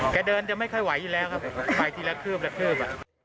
เดินจะไม่ค่อยไหวอยู่แล้วครับไปทีละคืบละคืบ